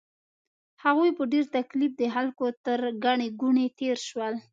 هغوی په ډېر تکلیف د خلکو تر ګڼې ګوڼې تېر شول.